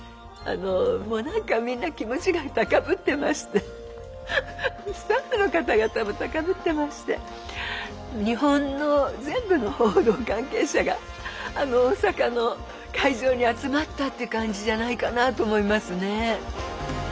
もうなんかみんな気持ちが高ぶってましてスタッフの方々も高ぶってまして日本の全部の報道関係者があの大阪の会場に集まったって感じじゃないかなと思いますね。